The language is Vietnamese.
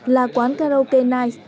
là quán karaoke nice